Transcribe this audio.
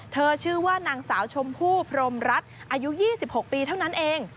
ชื่อว่านางสาวชมพู่พรมรัฐอายุ๒๖ปีเท่านั้นเอง